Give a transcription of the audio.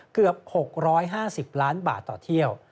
เกือบ๖๕๐ล้านบาทต่อเที่ยว